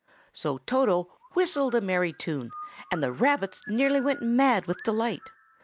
So Toto whistled a merry tune, and the rabbits nearly went mad with delight.